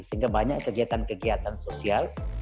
sehingga banyak kegiatan kegiatan sosial